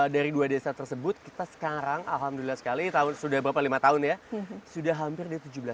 dari dua desa tersebut kita sekarang alhamdulillah sekali sudah berapa lima tahun ya sudah hampir di tujuh belas tahun